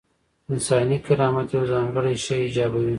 انساني کرامت یو ځانګړی شی ایجابوي.